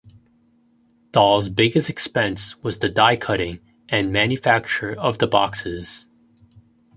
Dahl's biggest expense was the die-cutting and manufacture of the boxes.